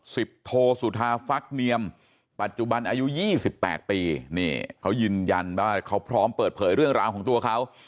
สิบโทสุทธาฟักเนียมปัจจุบันอายุ๒๘ปีเขายืนยันว่าเขาพร้อมเปิดเผยเรื่องราวของตัวเขา